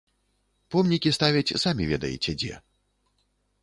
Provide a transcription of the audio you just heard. Помнікі ставяць самі ведаеце дзе.